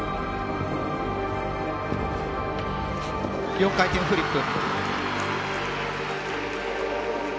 ４回転フリップ。